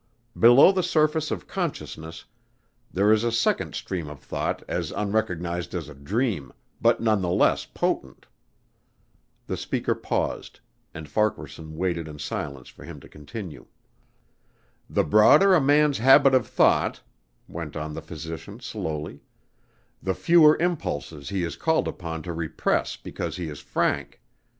Below the surface of consciousness, there is a second stream of thought as unrecognized as a dream, but none the less potent." The speaker paused and Farquaharson waited in silence for him to continue. "The broader a man's habit of thought," went on the physician slowly, "the fewer impulses he is called upon to repress because he is frank.